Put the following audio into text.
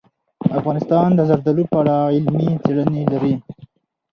افغانستان د زردالو په اړه علمي څېړنې لري.